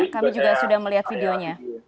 kami juga sudah melihat videonya